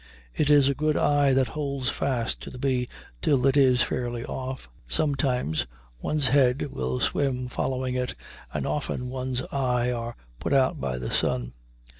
It is a good eye that holds fast to the bee till it is fairly off. Sometimes one's head will swim following it, and often one's eyes are put out by the sun.